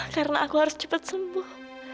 karena aku harus cepat sembuh